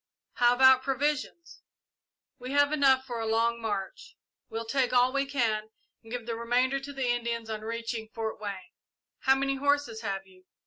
"How about provisions?" "We have enough for a long march. We'll take all we can, and give the remainder to the Indians on reaching Fort Wayne." "How many horses have you?"